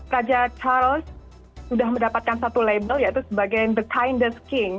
raja charles sudah mendapatkan satu label yaitu sebagai the kindes king